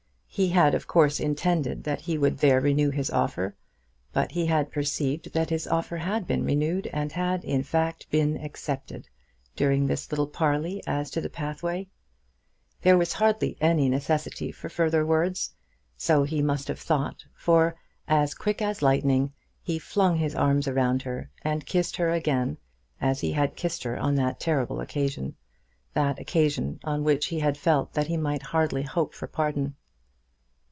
He had of course intended that he would there renew his offer; but he had perceived that his offer had been renewed, and had, in fact, been accepted, during this little parley as to the pathway. There was hardly any necessity for further words. So he must have thought; for, as quick as lightning, he flung his arms around her, and kissed her again, as he had kissed her on that other terrible occasion, that occasion on which he had felt that he might hardly hope for pardon.